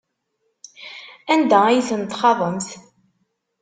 Anda ay ten-txaḍemt?